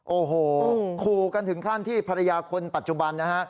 โอ้โหขู่กันถึงขั้นที่ภรรยาคนปัจจุบันนะฮะ